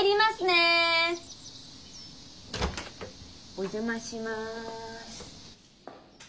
お邪魔しまーす。